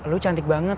lu cantik banget